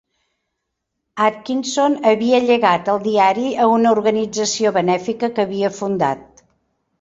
Atkinson havia llegat el diari a una organització benèfica que havia fundat.